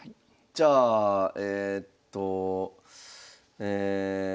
じゃあえっとえ。